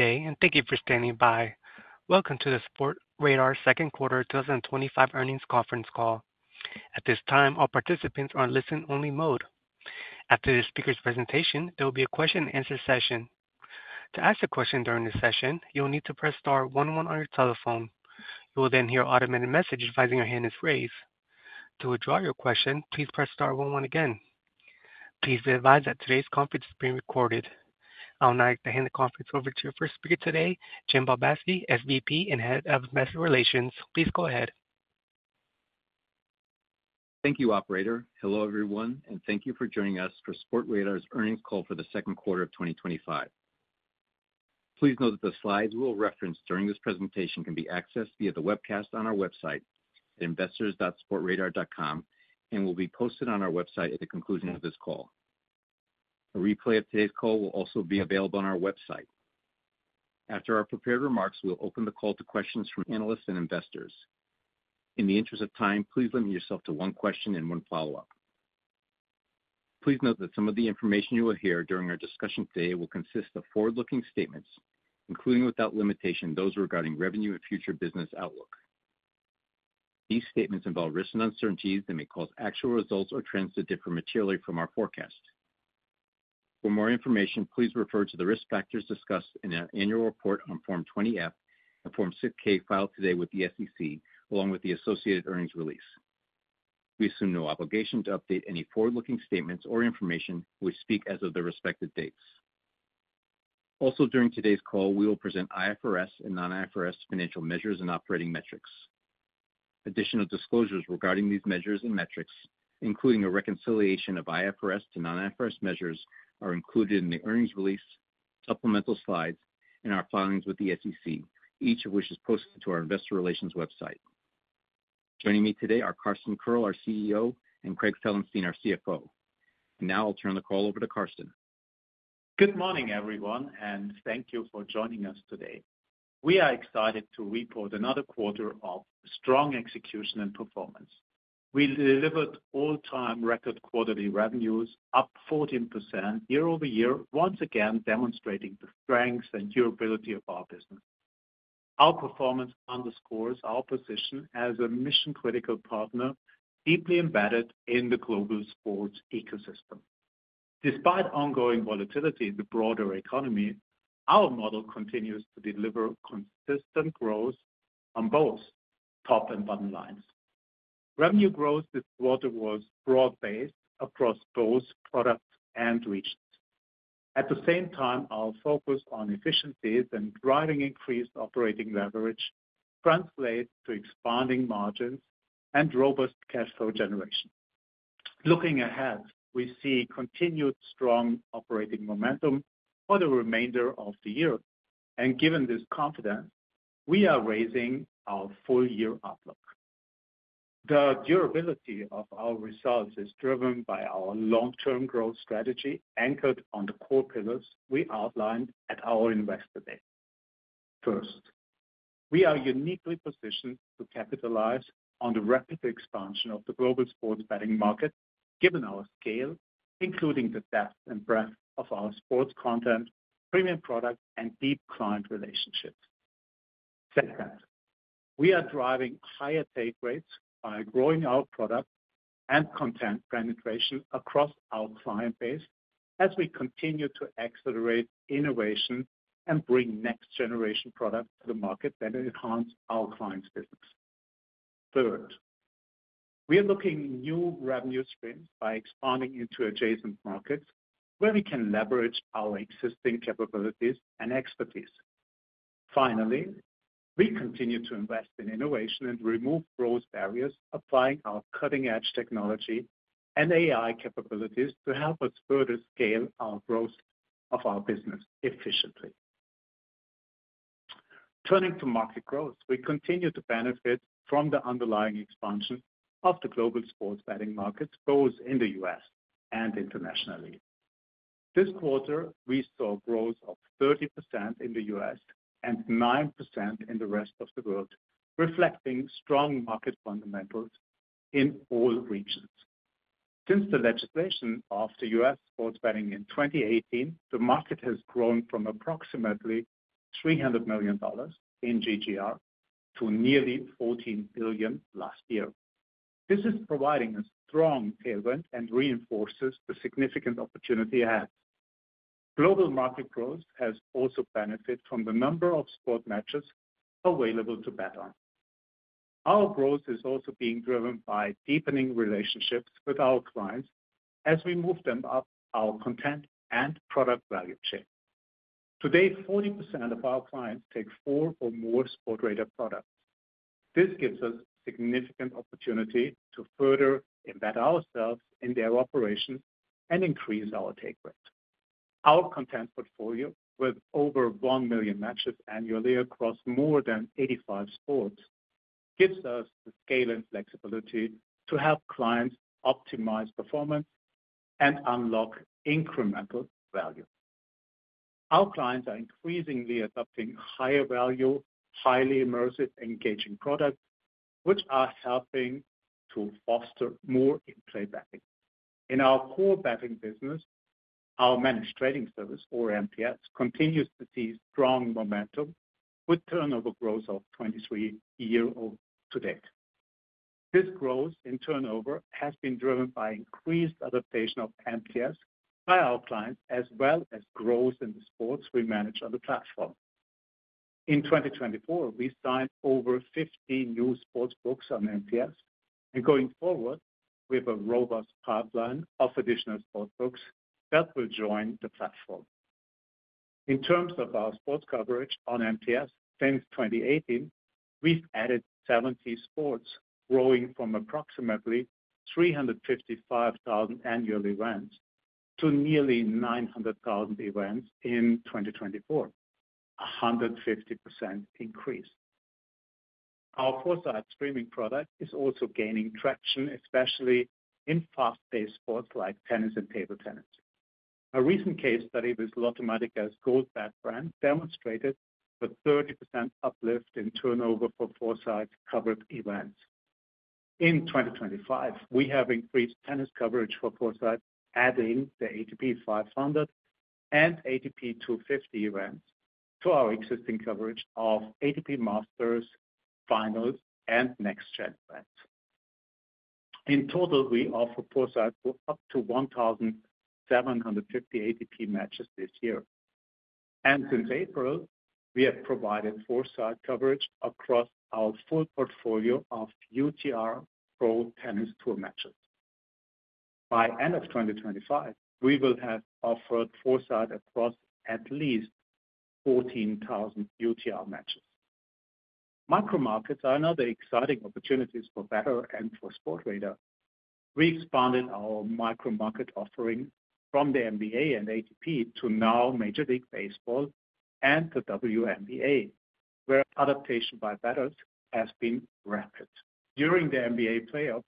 Today, and thank you for standing by. Welcome to the Sportradar Second Quarter 2025 Earnings Conference Call. At this time, all participants are in listen-only mode. After the speaker's presentation, there will be a question-and-answer session. To ask a question during this session, you will need to press star one-one on your telephone. You will then hear an automated message advising your hand is raised. To withdraw your question, please press star one-one again. Please be advised that today's conference is being recorded. I will now hand the conference over to our first speaker today, Jim Bombassei, SVP and Head of Investor Relations. Please go ahead. Thank you, operator. Hello, everyone, and thank you for joining us for Sportradar's Earnings Call For The Second Quarter Of 2025. Please note that the slides we will reference during this presentation can be accessed via the webcast on our website at investors.sportradar.com and will be posted on our website at the conclusion of this call. A replay of today's call will also be available on our website. After our prepared remarks, we will open the call to questions from analysts and investors. In the interest of time, please limit yourself to one question and one follow-up. Please note that some of the information you will hear during our discussion today will consist of forward-looking statements, including without limitation those regarding revenue and future business outlook. These statements involve risks and uncertainties that may cause actual results or trends to differ materially from our forecast. For more information, please refer to the risk factors discussed in our annual report on Form 20-F and Form 6-K filed today with the SEC, along with the associated earnings release. We assume no obligation to update any forward-looking statements or information which speak as of the respective dates. Also, during today's call, we will present IFRS and non-IFRS financial measures and operating metrics. Additional disclosures regarding these measures and metrics, including a reconciliation of IFRS to non-IFRS measures, are included in the earnings release, supplemental slides, and our filings with the SEC, each of which is posted to our Investor Relations website. Joining me today are Carsten Koerl, our CEO, and Craig Felenstein, our CFO. Now I'll turn the call over to Carsten. Good morning, everyone, and thank you for joining us today. We are excited to report another quarter of strong execution and performance. We delivered all-time record quarterly revenues, up 14% year-over-year, once again demonstrating the strength and durability of our business. Our performance underscores our position as a mission-critical partner deeply embedded in the global sports ecosystem. Despite ongoing volatility in the broader economy, our model continues to deliver consistent growth on both top and bottom lines. Revenue growth this quarter was broad-based across both products and regions. At the same time, our focus on efficiencies and driving increased operating leverage translates to expanding margins and robust cash flow generation. Looking ahead, we see continued strong operating momentum for the remainder of the year, and given this confidence, we are raising our full-year outlook. The durability of our results is driven by our long-term growth strategy anchored on the core pillars we outlined at our Investor Day. First, we are uniquely positioned to capitalize on the rapid expansion of the global sports betting market, given our scale, including the depth and breadth of our sports content, premium products, and deep client relationships. Second, we are driving higher take rates by growing our product and content penetration across our client base as we continue to accelerate innovation and bring next-generation products to the market that enhance our clients' business. Third, we are looking at new revenue streams by expanding into adjacent markets where we can leverage our existing capabilities and expertise. Finally, we continue to invest in innovation and remove growth barriers, applying our cutting-edge technology and AI capabilities to help us further scale our growth of our business efficiently. Turning to market growth, we continue to benefit from the underlying expansion of the global sports betting markets, both in the U.S. and internationally. This quarter, we saw growth of 30% in the U.S. and 9% in the rest of the world, reflecting strong market fundamentals in all regions. Since the legislation of the U.S. sports betting in 2018, the market has grown from approximately $300 million in GGR to nearly $14 billion last year. This is providing a strong tailwind and reinforces the significant opportunity ahead. Global market growth has also benefited from the number of sport matches available to bet on. Our growth is also being driven by deepening relationships with our clients as we move them up our content and product value chain. Today, 40% of our clients take four or more Sportradar products. This gives us a significant opportunity to further embed ourselves in their operations and increase our take rate. Our content portfolio, with over 1 million matches annually across more than 85 sports, gives us the scale and flexibility to help clients optimize performance and unlock incremental value. Our clients are increasingly adopting higher value, highly immersive, engaging products, which are helping to foster more in-play betting. In our core betting business, our Managed Trading Services, or MTS, continues to see strong momentum with turnover growth of 23% year to date. This growth in turnover has been driven by increased adoption of MTS by our clients, as well as growth in the sports we manage on the platform. In 2024, we signed over 50 new sportsbooks on MTS, and going forward, we have a robust pipeline of additional sportsbooks that will join the platform. In terms of our sports coverage on MTS, since 2018, we've added 70 sports, growing from approximately 355,000 annual events to nearly 900,000 events in 2024, a 150% increase. Our 4Sight streaming product is also gaining traction, especially in fast-paced sports like tennis and table tennis. A recent case study with Lottomatica's Goldbet brand demonstrated a 30% uplift in turnover for 4Sight covered events. In 2025, we have increased tennis coverage for 4Sight, adding the ATP 500 and ATP 250 events to our existing coverage of ATP Masters, Finals, and NextGen events. In total, we offer 4Sight for up to 1,750 ATP matches this year. Since April, we have provided 4Sight coverage across our full portfolio of UTR Pro Tennis Tour matches. By the end of 2025, we will have offered 4Sight across at least 14,000 UTR matches. Micro markets are another exciting opportunity for bettors and for Sportradar. We expanded our micro markets offering from the NBA and ATP to now Major League Baseball and the WNBA, where adoption by bettors has been rapid. During the NBA playoffs,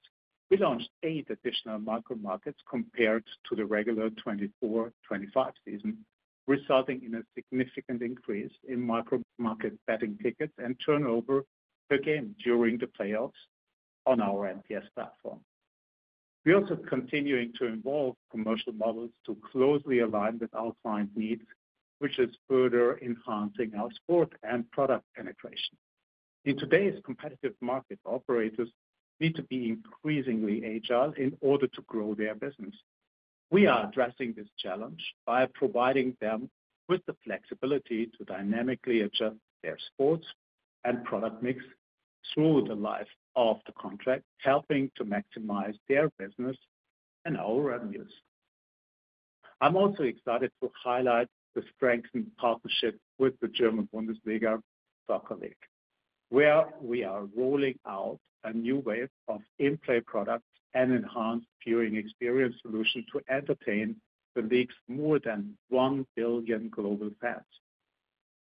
we launched eight additional micro markets compared to the regular 2024/2025 season, resulting in a significant increase in micro markets betting tickets and turnover again during the playoffs on our MTS platform. We're also continuing to evolve commercial models to closely align with our client needs, which is further enhancing our sport and product penetration. In today's competitive market, operators need to be increasingly agile in order to grow their business. We are addressing this challenge by providing them with the flexibility to dynamically adjust their sports and product mix through the life of the contract, helping to maximize their business and our revenues. I'm also excited to highlight the strengthened partnership with the German Bundesliga, where we are rolling out a new wave of in-play products and enhanced viewing experience solutions to entertain the league's more than 1 billion global fans.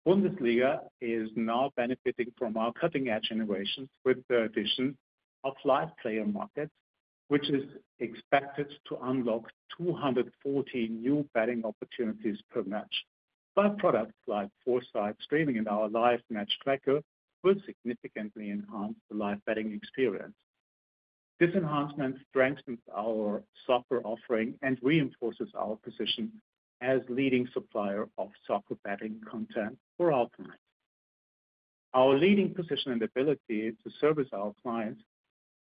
Bundesliga is now benefiting from our cutting-edge innovations with the addition of live player markets, which is expected to unlock 214 new betting opportunities per match. Products like 4Sight streaming and our live match tracker will significantly enhance the live betting experience. This enhancement strengthens our soccer offering and reinforces our position as a leading supplier of soccer betting content for our clients. Our leading position and ability to service our clients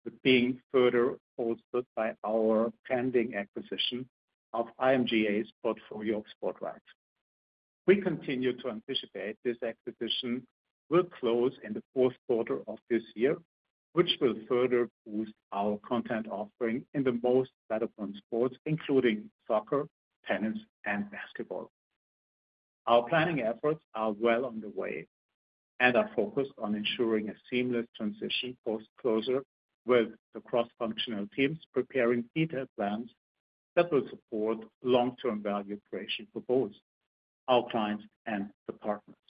is being further bolstered by our pending acquisition of IMG ARENA's portfolio of sport rights. We continue to anticipate this acquisition will close in the fourth quarter of this year, which will further boost our content offering in the most relevant sports, including soccer, tennis, and basketball. Our planning efforts are well underway and are focused on ensuring a seamless transition post-closure, with the cross-functional teams preparing detailed plans that will support long-term value creation for both our clients and departments.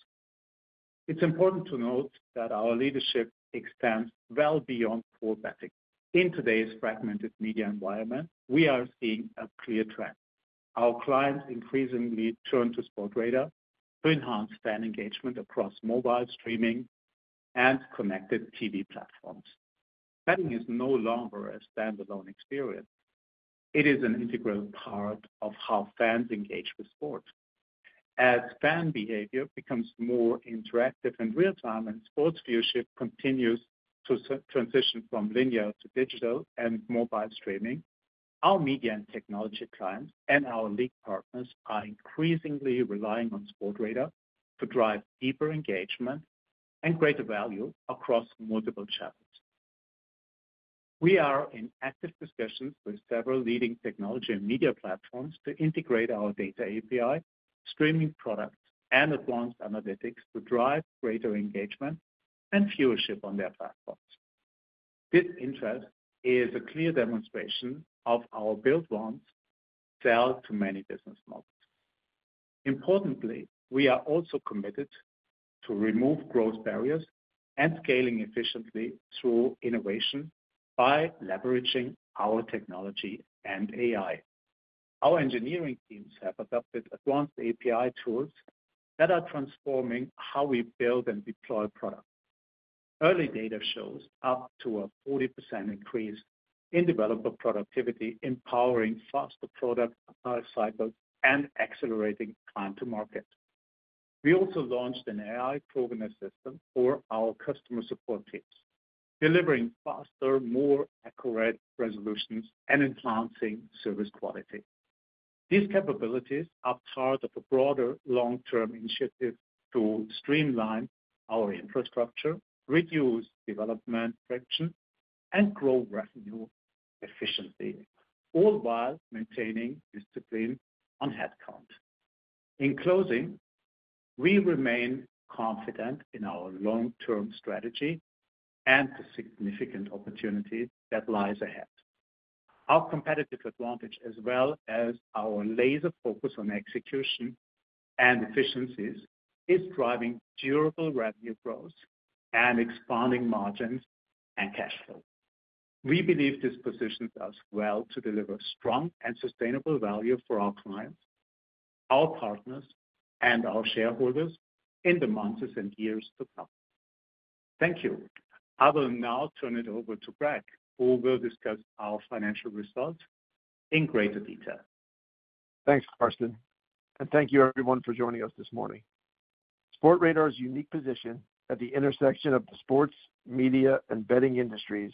It's important to note that our leadership extends well beyond pool betting. In today's fragmented media environment, we are seeing a clear trend. Our clients increasingly turn to Sportradar to enhance fan engagement across mobile streaming and connected TV platforms. Betting is no longer a standalone experience; it is an integral part of how fans engage with sports. As fan behavior becomes more interactive in real time and sports viewership continues to transition from linear to digital and mobile streaming, our media and technology clients and our league partners are increasingly relying on Sportradar to drive deeper engagement and greater value across multiple channels. We are in active discussions with several leading technology and media platforms to integrate our data API, streaming products, and advanced analytics to drive greater engagement and viewership on their platforms. This interest is a clear demonstration of our built wants to sell to many business models. Importantly, we are also committed to removing growth barriers and scaling efficiently through innovation by leveraging our technology and AI. Our engineering teams have adopted advanced API tools that are transforming how we build and deploy products. Early data shows up to a 40% increase in developer productivity, empowering faster product lifecycles and accelerating time to market. We also launched an AI progress system for our customer support teams, delivering faster, more accurate resolutions and enhancing service quality. These capabilities are part of a broader long-term initiative to streamline our infrastructure, reduce development friction, and grow revenue efficiently, all while maintaining discipline on headcount. In closing, we remain confident in our long-term strategy and the significant opportunity that lies ahead. Our competitive advantage, as well as our laser focus on execution and efficiencies, is driving durable revenue growth and expanding margins and cash flow. We believe this position does well to deliver strong and sustainable value for our clients, our partners, and our shareholders in the months and years to come. Thank you. I will now turn it over to Craig, who will discuss our financial results in greater detail. Thanks, Carsten, and thank you, everyone, for joining us this morning. Sportradar's unique position at the intersection of the sports, media, and betting industries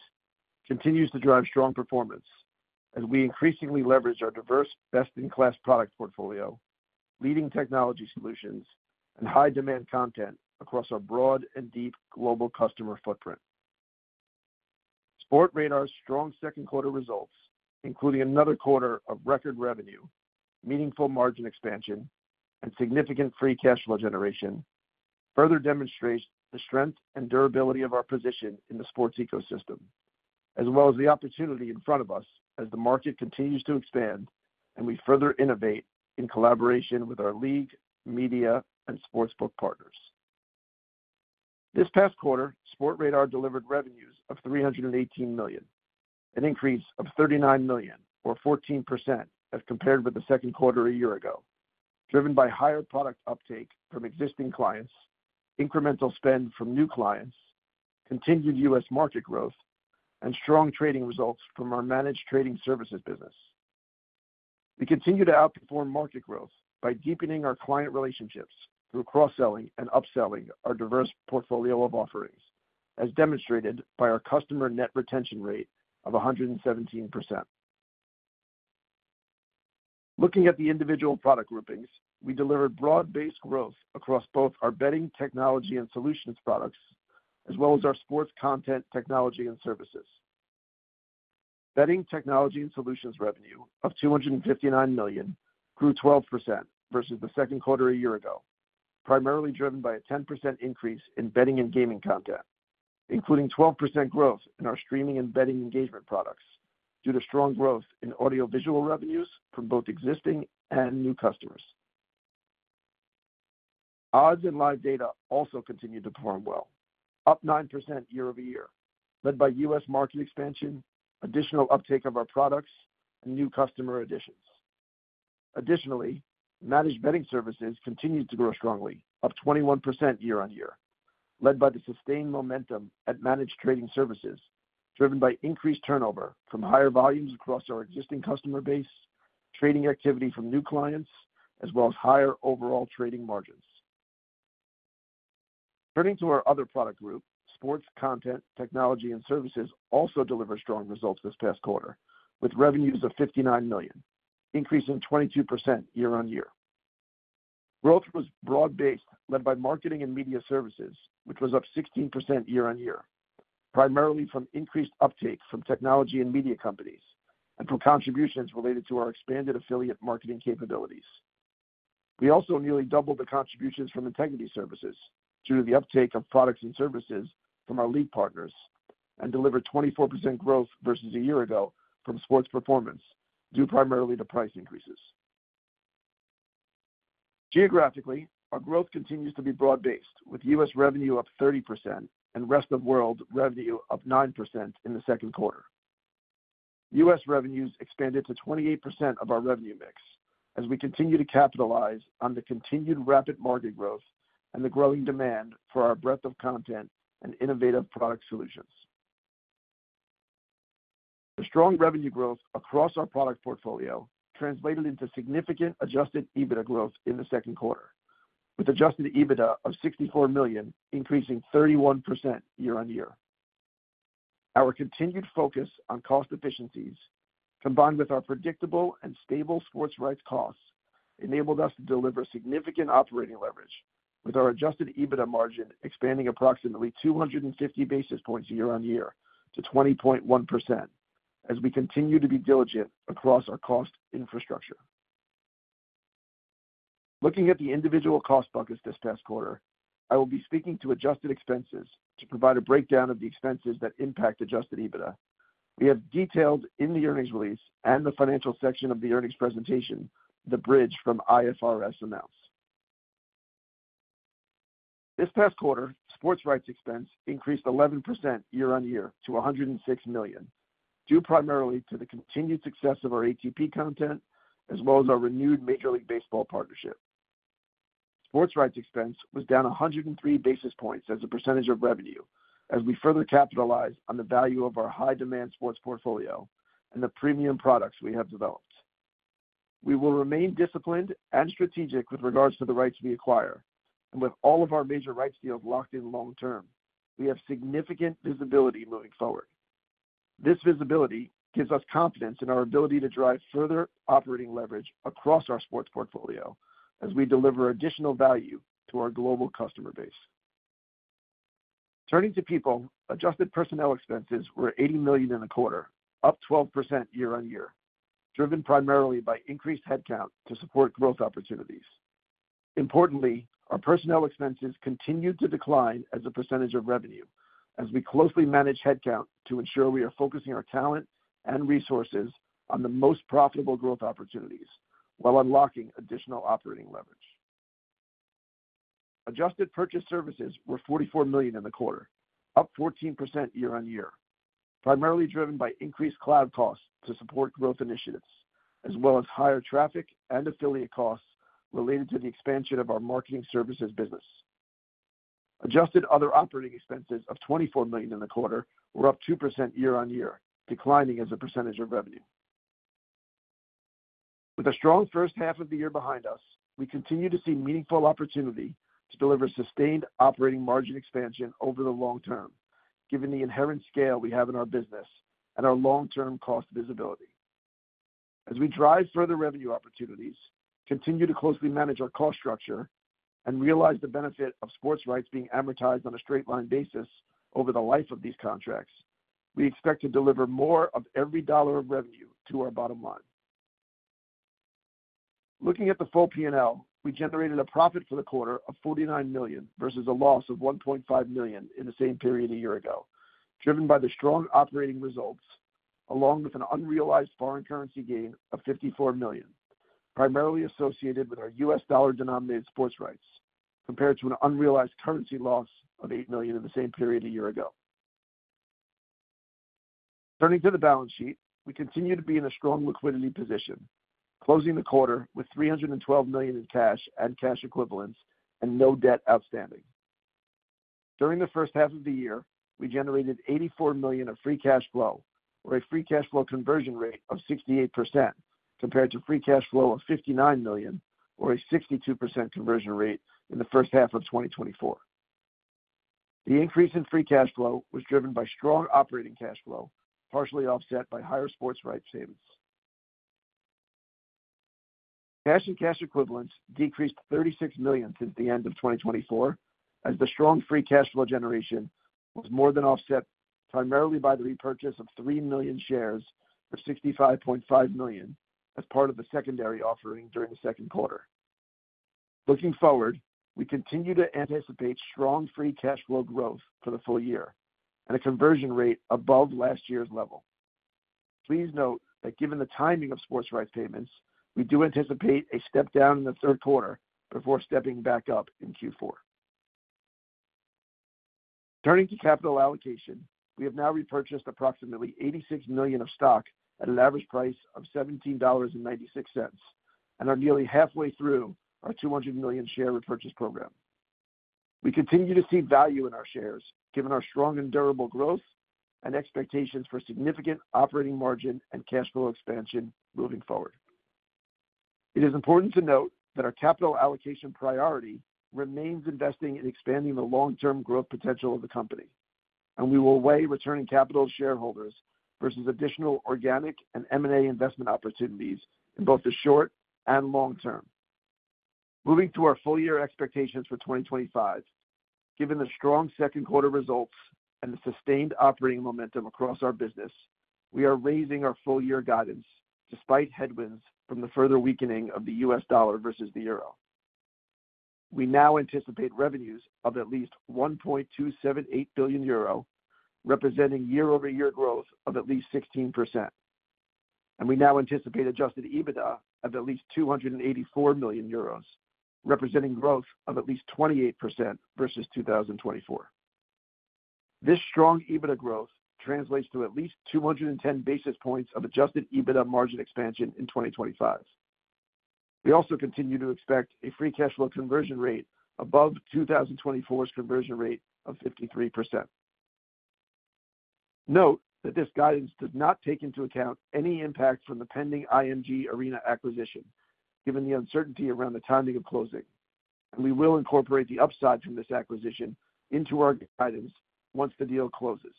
continues to drive strong performance, as we increasingly leverage our diverse, best-in-class product portfolio, leading technology solutions, and high-demand content across a broad and deep global customer footprint. Sportradar's strong second quarter results, including another quarter of record revenue, meaningful margin expansion, and significant free cash flow generation, further demonstrate the strength and durability of our position in the sports ecosystem, as well as the opportunity in front of us as the market continues to expand and we further innovate in collaboration with our league, media, and sportsbook partners. This past quarter, Sportradar delivered revenues of $318 million, an increase of $39 million, or 14% as compared with the second quarter a year ago, driven by higher product uptake from existing clients, incremental spend from new clients, continued U.S. market growth, and strong trading results from our Managed Trading Services business. We continue to outperform market growth by deepening our client relationships through cross-selling and upselling our diverse portfolio of offerings, as demonstrated by our customer net retention rate of 117%. Looking at the individual product groupings, we delivered broad-based growth across both our betting technology and solutions products, as well as our sports content technology and services. Betting technology and solutions revenue of $259 million grew 12% versus the second quarter a year ago, primarily driven by a 10% increase in betting and gaming content, including 12% growth in our streaming and betting engagement products due to strong growth in audiovisual revenues from both existing and new customers. Odds and live data also continue to perform well, up 9% year-over-year, led by U.S. market expansion, additional uptake of our products, and new customer additions. Additionally, managed betting services continue to grow strongly, up 21% year-on-year, led by the sustained momentum at Managed Trading Services, driven by increased turnover from higher volumes across our existing customer base, trading activity from new clients, as well as higher overall trading margins. Turning to our other product group, sports content technology and services also delivered strong results this past quarter, with revenues of $59 million, increasing 22% year-on-year. Growth was broad-based, led by marketing and media services, which was up 16% year-on-year, primarily from increased uptake from technology and media companies and from contributions related to our expanded affiliate marketing capabilities. We also nearly doubled the contributions from integrity services due to the uptake of products and services from our league partners and delivered 24% growth versus a year ago from sports performance, due primarily to price increases. Geographically, our growth continues to be broad-based, with U.S. revenue up 30% and rest of the world revenue up 9% in the second quarter. U.S. revenues expanded to 28% of our revenue mix as we continue to capitalize on the continued rapid market growth and the growing demand for our breadth of content and innovative product solutions. The strong revenue growth across our product portfolio translated into significant adjusted EBITDA growth in the second quarter, with adjusted EBITDA of $64 million, increasing 31% year-on-year. Our continued focus on cost efficiencies, combined with our predictable and stable sports rights costs, enabled us to deliver significant operating leverage, with our adjusted EBITDA margin expanding approximately 250 basis points year-on-year to 20.1% as we continue to be diligent across our cost infrastructure. Looking at the individual cost buckets this past quarter, I will be speaking to adjusted expenses to provide a breakdown of the expenses that impact adjusted EBITDA. We have detailed in the earnings release and the financial section of the earnings presentation the bridge from IFRS amounts. This past quarter, sports rights expense increased 11% year-on-year to $106 million, due primarily to the continued success of our ATP content, as well as our renewed Major League Baseball partnership. Sports rights expense was down 103 basis points as a percentage of revenue, as we further capitalized on the value of our high-demand sports portfolio and the premium products we have developed. We will remain disciplined and strategic with regards to the rights we acquire, and with all of our major rights deals locked in long term, we have significant visibility moving forward. This visibility gives us confidence in our ability to drive further operating leverage across our sports portfolio as we deliver additional value to our global customer base. Turning to people, adjusted personnel expenses were $80 million in the quarter, up 12% year-on-year, driven primarily by increased headcount to support growth opportunities. Importantly, our personnel expenses continue to decline as a percentage of revenue, as we closely manage headcount to ensure we are focusing our talent and resources on the most profitable growth opportunities while unlocking additional operating leverage. Adjusted purchase services were $44 million in the quarter, up 14% year-on-year, primarily driven by increased cloud costs to support growth initiatives, as well as higher traffic and affiliate costs related to the expansion of our marketing services business. Adjusted other operating expenses of $24 million in the quarter were up 2% year-on-year, declining as a percentage of revenue. With a strong first half of the year behind us, we continue to see meaningful opportunity to deliver sustained operating margin expansion over the long term, given the inherent scale we have in our business and our long-term cost visibility. As we drive further revenue opportunities, continue to closely manage our cost structure, and realize the benefit of sports rights being amortized on a straight-line basis over the life of these contracts, we expect to deliver more of every dollar of revenue to our bottom line. Looking at the full P&L, we generated a profit for the quarter of $49 million versus a loss of $1.5 million in the same period a year ago, driven by the strong operating results, along with an unrealized foreign currency gain of $54 million, primarily associated with our U.S. dollar-denominated sports rights, compared to an unrealized currency loss of $8 million in the same period a year ago. Turning to the balance sheet, we continue to be in a strong liquidity position, closing the quarter with $312 million in cash and cash equivalents and no debt outstanding. During the first half of the year, we generated $84 million of free cash flow, or a free cash flow conversion rate of 68%, compared to free cash flow of $59 million, or a 62% conversion rate in the first half of 2023. The increase in free cash flow was driven by strong operating cash flow, partially offset by higher sports rights savings. Cash and cash equivalents decreased $36 million since the end of 2024, as the strong free cash flow generation was more than offset, primarily by the repurchase of 3 million shares for $65.5 million as part of the secondary offering during the second quarter. Looking forward, we continue to anticipate strong free cash flow growth for the full year and a conversion rate above last year's level. Please note that given the timing of sports rights payments, we do anticipate a step down in the third quarter before stepping back up in Q4. Turning to capital allocation, we have now repurchased approximately $86 million of stock at an average price of $17.96 and are nearly halfway through our $200 million share repurchase program. We continue to see value in our shares, given our strong and durable growth and expectations for significant operating margin and cash flow expansion moving forward. It is important to note that our capital allocation priority remains investing in expanding the long-term growth potential of the company, and we will weigh returning capital to shareholders versus additional organic and M&A investment opportunities in both the short and long term. Moving to our full-year expectations for 2025, given the strong second quarter results and the sustained operating momentum across our business, we are raising our full-year guidance despite headwinds from the further weakening of the U.S. dollar versus the euro. We now anticipate revenues of at least 1.278 billion euro, representing year-over-year growth of at least 16%, and we now anticipate adjusted EBITDA of at least 284 million euros, representing growth of at least 28% versus 2024. This strong EBITDA growth translates to at least 210 basis points of adjusted EBITDA margin expansion in 2025. We also continue to expect a free cash flow conversion rate above 2024's conversion rate of 53%. Note that this guidance does not take into account any impact from the pending IMG ARENA acquisition, given the uncertainty around the timing of closing, and we will incorporate the upside from this acquisition into our guidance once the deal closes.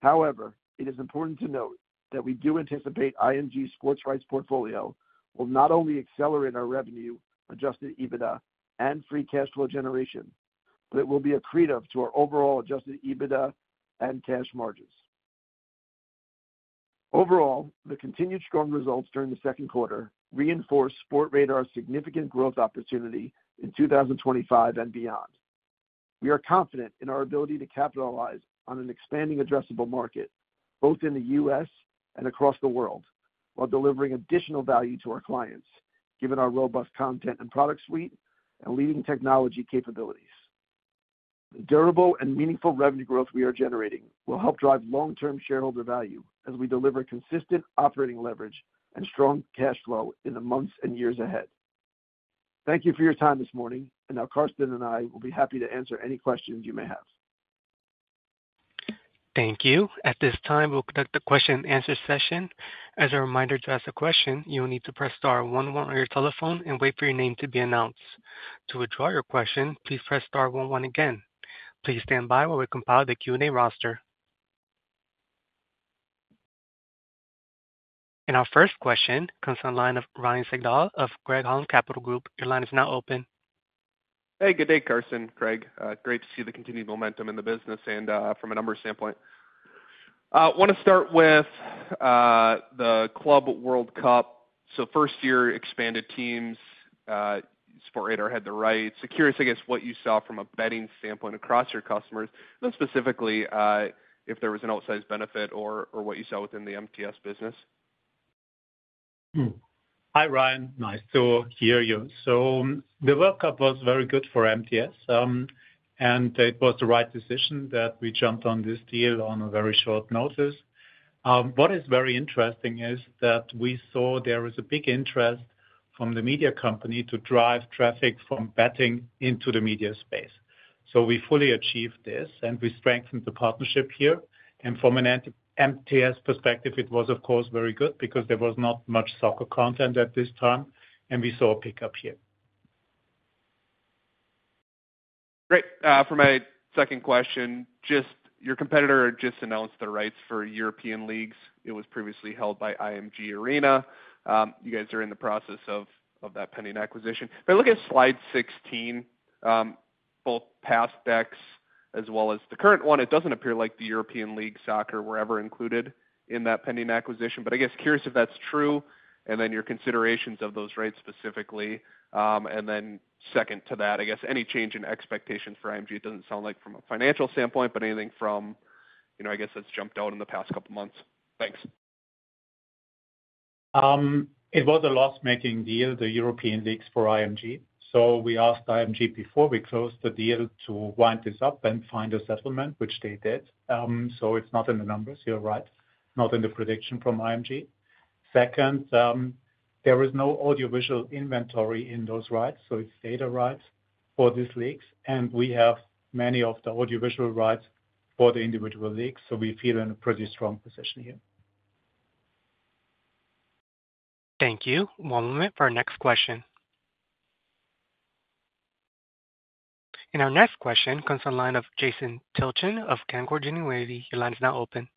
However, it is important to note that we do anticipate the IMG ARENA Sports Rights portfolio will not only accelerate our revenue, adjusted EBITDA, and free cash flow generation, but it will be accretive to our overall adjusted EBITDA and cash margins. Overall, the continued strong results during the second Sportradar's significant growth opportunity in 2025 and beyond. We are confident in our ability to capitalize on an expanding addressable market, both in the U.S. and across the world, while delivering additional value to our clients, given our robust content and product suite and leading technology capabilities. The durable and meaningful revenue growth we are generating will help drive long-term shareholder value as we deliver consistent operating leverage and strong cash flow in the months and years ahead. Thank you for your time this morning, and now Carsten and I will be happy to answer any questions you may have. Thank you. At this time, we'll conduct the question-and-answer session. As a reminder, to ask a question, you will need to press star one-one on your telephone and wait for your name to be announced. To withdraw your question, please press star one-one again. Please stand by while we compile the Q&A roster. Our first question comes from the line of Ryan Sigdahl of Craig-Hallum Capital Group. Your line is now open. Hey, good day, Carsten, Craig. Great to see the continued momentum in the business and from a numbers standpoint. I want to start with the Club World Cup. First-year expanded teams, Sportradar had the right. Curious what you saw from a betting standpoint across your customers, and specifically if there was an outsized benefit or what you saw within the MTS business. Hi, Ryan. Nice to hear you. The World Cup was very good for MTS, and it was the right decision that we jumped on this deal on very short notice. What is very interesting is that we saw there was a big interest from the media company to drive traffic from betting into the media space. We fully achieved this, and we strengthened the partnership here. From a MTS perspective, it was, of course, very good because there was not much soccer content at this time, and we saw a pickup here. Great. For my second question, your competitor just announced the rights for European leagues. It was previously held by IMG ARENA. You guys are in the process of that pending acquisition. If I look at slide 16, both past decks as well as the current one, it doesn't appear like the European League soccer were ever included in that pending acquisition, but I guess curious if that's true, and then your considerations of those rights specifically. Second to that, any change in expectations for IMG doesn't sound like from a financial standpoint, but anything from, you know, I guess that's jumped out in the past couple of months. Thanks. It was a loss-making deal, the European leagues for IMG ARENA. We asked IMG ARENA before we closed the deal to wind this up and find a settlement, which they did. It's not in the numbers here, right? Not in the prediction from IMG ARENA. There is no audiovisual inventory in those rights, so it's data rights for these leagues, and we have many of the audiovisual rights for the individual leagues, so we feel in a pretty strong position here. Thank you. One moment for our next question. Our next question comes from the line of Jason Tilton of Canaccord Genuity. Your line is now open.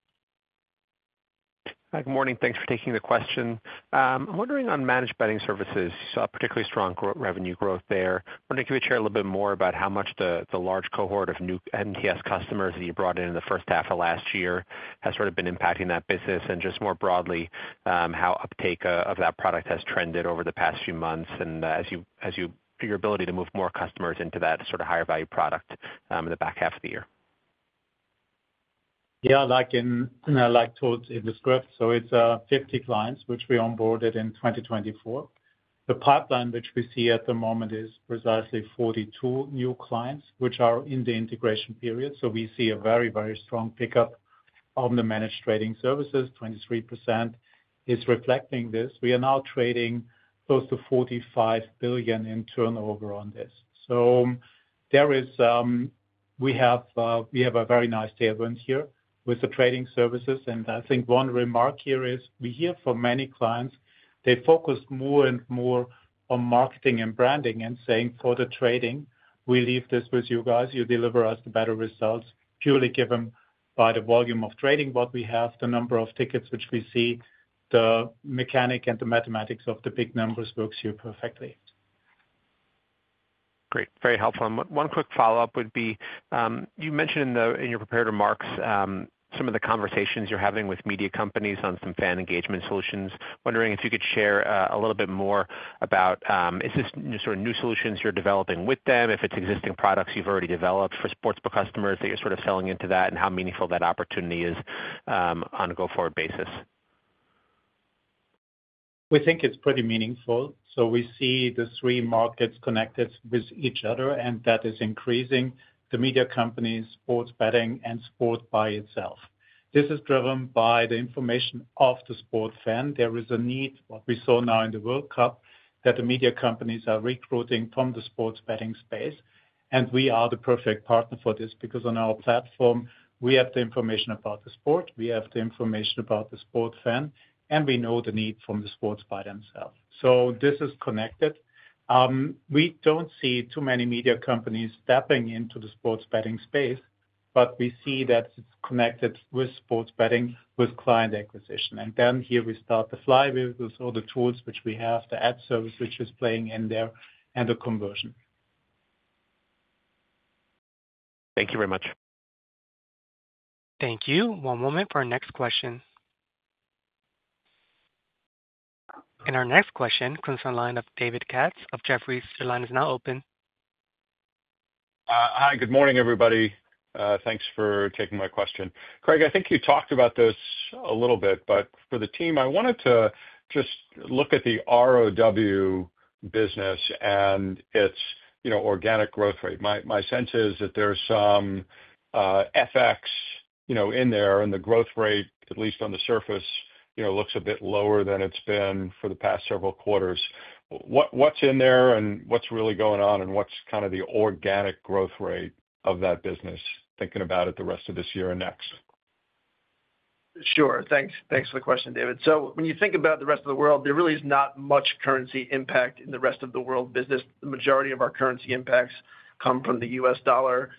Hi, good morning. Thanks for taking the question. I'm wondering on Managed Trading Services, you saw a particularly strong revenue growth there. I wonder if you could share a little bit more about how much the large cohort of new MTS customers that you brought in in the first half of last year has sort of been impacting that business, and just more broadly how uptake of that product has trended over the past few months, and as you for your ability to move more customers into that sort of higher value product in the back half of the year. Yeah, like I told in the script, it's 50 clients which we onboarded in 2024. The pipeline which we see at the moment is precisely 42 new clients which are in the integration period. We see a very, very strong pickup on the Managed Trading Services, 23% is reflecting this. We are now trading close to $45 billion in turnover on this. There is a very nice tailwind here with the trading services. I think one remark here is we hear from many clients they focus more and more on marketing and branding and say for the trading, we leave this with you guys, you deliver us the better results. Purely given by the volume of trading we have, the number of tickets which we see, the mechanic and the mathematics of the big numbers works here perfectly. Great. Very helpful. One quick follow-up would be, you mentioned in your prepared remarks some of the conversations you're having with media companies on some fan engagement solutions. Wondering if you could share a little bit more about is this sort of new solutions you're developing with them, if it's existing products you've already developed for sportsbook customers that you're sort of selling into that and how meaningful that opportunity is on a go-forward basis. We think it's pretty meaningful. We see the three markets connected with each other, and that is increasing the media companies, sports betting, and sport by itself. This is driven by the information of the sport fan. There is a need, what we saw now in the World Cup, that the media companies are recruiting from the sports betting space. We are the perfect partner for this because on our platform, we have the information about the sport, we have the information about the sport fan, and we know the need from the sports by themselves. This is connected. We don't see too many media companies tapping into the sports betting space, but we see that it's connected with sports betting, with client acquisition. Here we start the flywheel with all the tools which we have, the app service which is playing in there, and the conversion. Thank you very much. Thank you. One moment for our next question. Our next question comes from the line of David Katz of Jefferies. Your line is now open. Hi, good morning, everybody. Thanks for taking my question. Craig, I think you talked about this a little bit, but for the team, I wanted to just look at the ROW business and its organic growth rate. My sense is that there's some FX in there, and the growth rate, at least on the surface, looks a bit lower than it's been for the past several quarters. What's in there, and what's really going on, and what's kind of the organic growth rate of that business, thinking about it the rest of this year and next? Sure. Thanks for the question, David. When you think about the rest of the world, there really is not much currency impact in the rest of the world business. The majority of our currency impacts come from the U.S. dollar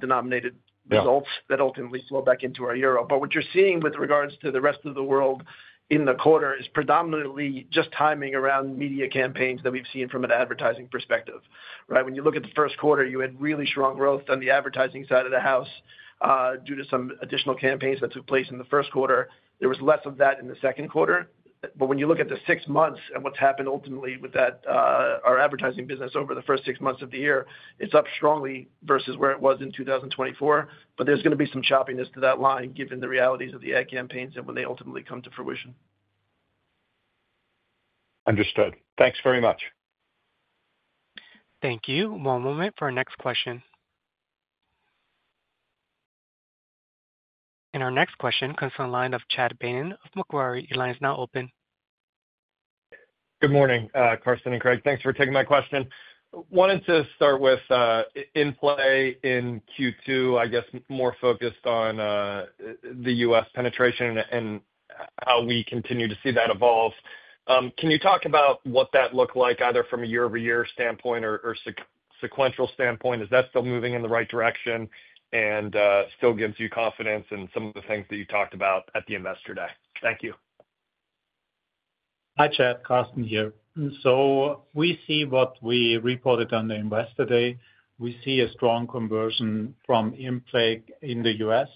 denominated results that ultimately flow back into our euro. What you're seeing with regards to the rest of the world in the quarter is predominantly just timing around media campaigns that we've seen from an advertising perspective. When you look at the first quarter, you had really strong growth on the advertising side of the house due to some additional campaigns that took place in the first quarter. There was less of that in the second quarter. When you look at the six months and what's happened ultimately with our advertising business over the first six months of the year, it's up strongly versus where it was in 2024. There's going to be some choppiness to that line given the realities of the ad campaigns and when they ultimately come to fruition. Understood. Thanks very much. Thank you. One moment for our next question. Our next question comes from the line of Chad Beynon of Macquarie. Your line is now open. Good morning, Carsten and Craig. Thanks for taking my question. Wanted to start with in-play in Q2, I guess more focused on the U.S. penetration and how we continue to see that evolve. Can you talk about what that looked like either from a year-over-year standpoint or sequential standpoint? Is that still moving in the right direction and still gives you confidence in some of the things that you talked about at the Investor Day? Thank you. Hi, Chad. Carsten here. We see what we reported on the Investor Day. We see a strong conversion from in-play in the U.S.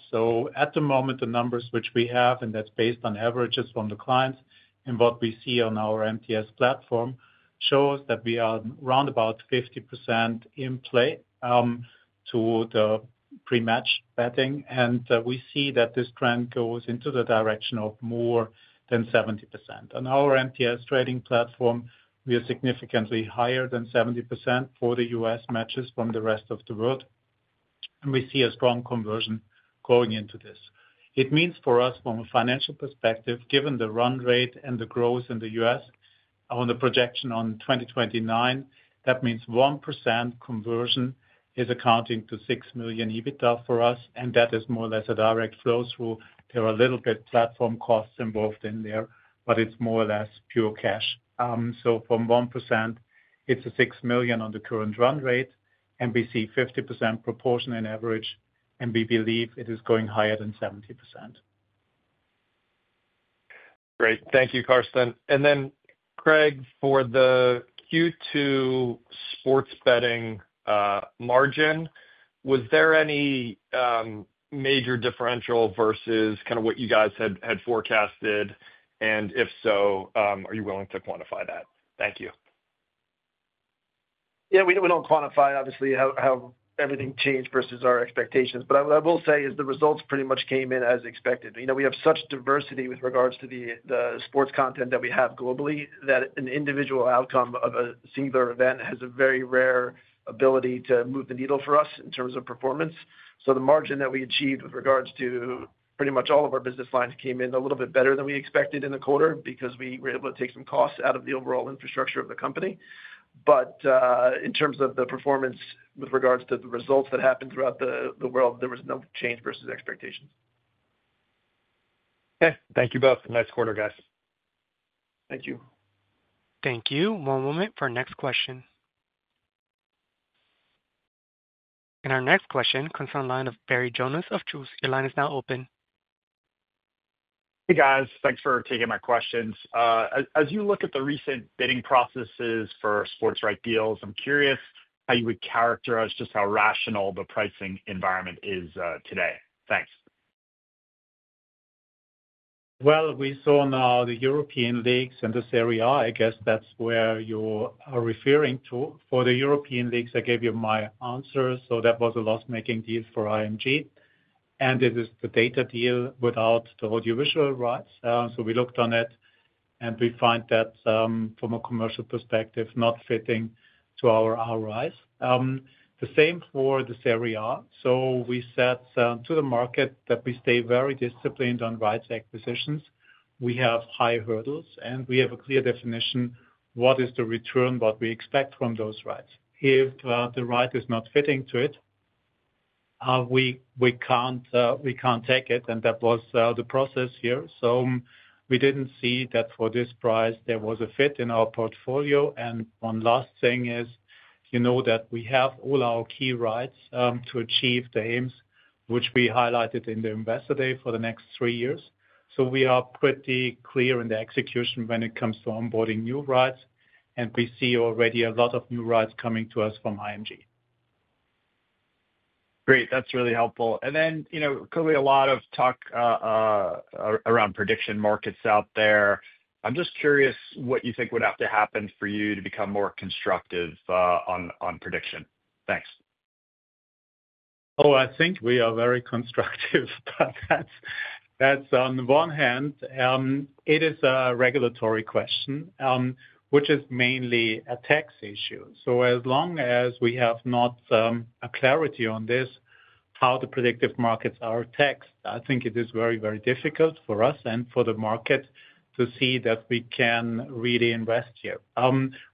At the moment, the numbers which we have, and that's based on averages from the clients and what we see on our MTS platform, show us that we are around about 50% in-play to the pre-match betting. We see that this trend goes in the direction of more than 70%. On our MTS trading platform, we are significantly higher than 70% for the U.S. matches from the rest of the world. We see a strong conversion going into this. It means for us, from a financial perspective, given the run rate and the growth in the U.S., on the projection on 2029, that means 1% conversion is accounting to $6 million EBITDA for us. That is more or less a direct flow through. There are a little bit platform costs involved in there, but it's more or less pure cash. From 1%, it's a $6 million on the current run rate. We see 50% proportionate average, and we believe it is going higher than 70%. Great. Thank you, Carsten. Craig, for the Q2 sports betting margin, was there any major differential versus kind of what you guys had forecasted? If so, are you willing to quantify that? Thank you. Yeah, we don't quantify, obviously, how everything changed versus our expectations. I will say the results pretty much came in as expected. We have such diversity with regards to the sports content that we have globally that an individual outcome of a singular event has a very rare ability to move the needle for us in terms of performance. The margin that we achieved with regards to pretty much all of our business lines came in a little bit better than we expected in the quarter because we were able to take some costs out of the overall infrastructure of the company. In terms of the performance with regards to the results that happened throughout the world, there was no change versus expectations. Okay. Thank you both. Nice quarter, guys. Thank you. Thank you. One moment for our next question. Our next question comes from the line of Barry Jonas of Jefferies. Your line is now open. Hey, guys. Thanks for taking my questions. As you look at the recent bidding processes for sports right deals, I'm curious how you would characterize just how rational the pricing environment is today. Thanks. We saw now the European leagues in this area. I guess that's where you are referring to. For the European leagues, I gave you my answer. That was a loss-making deal for IMG ARENA, and it is the data deal without the audiovisual rights. We looked on it, and we find that from a commercial perspective, not fitting to our ROIs. The same for this area. We said to the market that we stay very disciplined on rights acquisitions. We have high hurdles, and we have a clear definition of what is the return, what we expect from those rights. If the right is not fitting to it, we can't take it. That was the process here. We didn't see that for this price, there was a fit in our portfolio. One last thing is, you know that we have all our key rights to achieve the aims which we highlighted in the Investor Day for the next three years. We are pretty clear in the execution when it comes to onboarding new rights, and we see already a lot of new rights coming to us from IMG ARENA. Great. That's really helpful. Clearly, a lot of talk around prediction markets out there. I'm just curious what you think would have to happen for you to become more constructive on prediction. Thanks. I think we are very constructive. On the one hand, it is a regulatory question, which is mainly a tax issue. As long as we do not have clarity on this, how the predictive markets are taxed, I think it is very, very difficult for us and for the market to see that we can really invest here.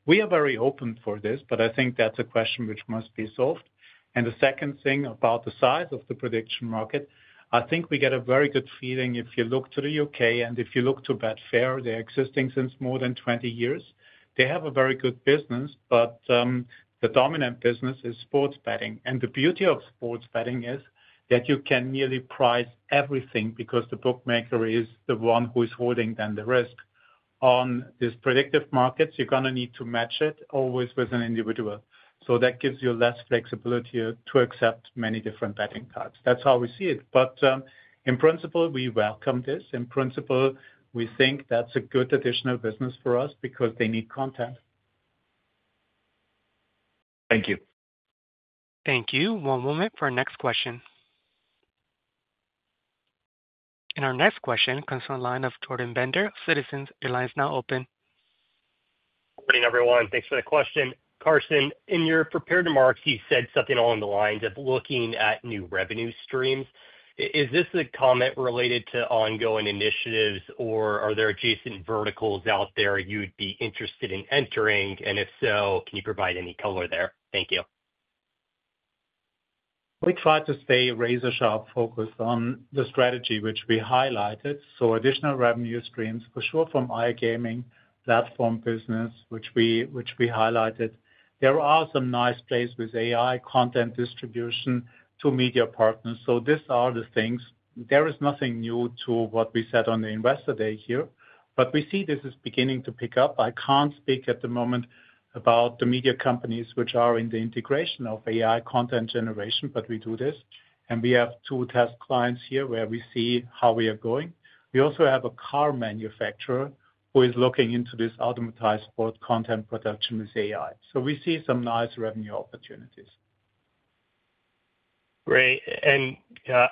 We are very open for this, but I think that's a question which must be solved. The second thing about the size of the prediction market, I think we get a very good feeling if you look to the U.K. and if you look to Betfair, they're existing since more than 20 years. They have a very good business, but the dominant business is sports betting. The beauty of sports betting is that you can nearly price everything because the bookmaker is the one who is holding then the risk. On these predictive markets, you are going to need to match it always with an individual. That gives you less flexibility to accept many different betting cards. That's how we see it. In principle, we welcome this. In principle, we think that's a good additional business for us because they need content. Thank you. Thank you. One moment for our next question. Our next question comes from the line of Jordan Bender, Citizens. Your line is now open. Good evening, everyone. Thanks for the question. Carsten, in your prepared remarks, you said something along the lines of looking at new revenue streams. Is this a comment related to ongoing initiatives, or are there adjacent verticals out there you'd be interested in entering? If so, can you provide any color there? Thank you. We try to stay razor-sharp focused on the strategy which we highlighted. Additional revenue streams for sure from iGaming platform business, which we highlighted. There are some nice plays with AI content distribution to media partners. These are the things. There is nothing new to what we said on the Investor Day here, but we see this is beginning to pick up. I can't speak at the moment about the media companies which are in the integration of AI content generation, but we do this. We have two test clients here where we see how we are going. We also have a car manufacturer who is looking into this automatized sport content production with AI. We see some nice revenue opportunities. Great.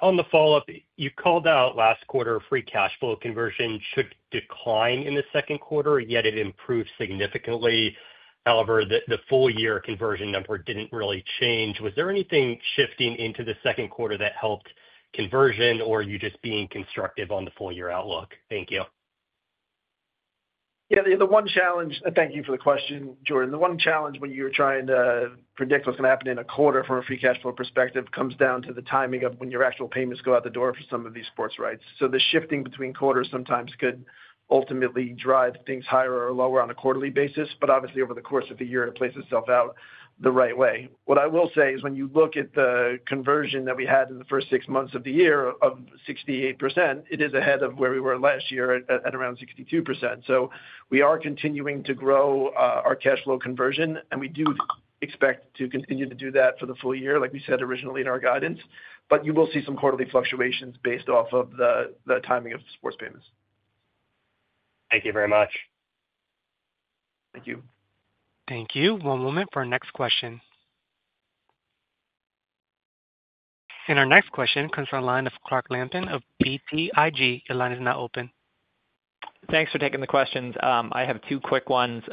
On the follow-up, you called out last quarter free cash flow conversion should decline in the second quarter, yet it improved significantly. However, the full year conversion number didn't really change. Was there anything shifting into the second quarter that helped conversion, or are you just being constructive on the full year outlook? Thank you. Yeah, the one challenge, thank you for the question, Jordan. The one challenge when you're trying to predict what's going to happen in a quarter from a free cash flow perspective comes down to the timing of when your actual payments go out the door for some of these sports rights. The shifting between quarters sometimes could ultimately drive things higher or lower on a quarterly basis, but obviously over the course of the year, it plays itself out the right way. What I will say is when you look at the conversion that we had in the first six months of the year of 68%, it is ahead of where we were last year at around 62%. We are continuing to grow our cash flow conversion, and we do expect to continue to do that for the full year, like we said originally in our guidance. You will see some quarterly fluctuations based off of the timing of sports payments. Thank you very much. Thank you. Thank you. One moment for our next question. Our next question comes from the line of Clark Lampen of BTIG. Your line is now open. Thanks for taking the questions. I have two quick ones.